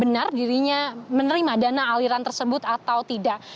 benar dirinya menerima dana aliran tersebut atau tidak